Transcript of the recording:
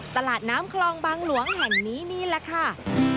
ตลาดน้ำคลองบางหลวงแห่งนี้นี่แหละค่ะ